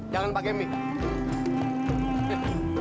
jangan pakai mie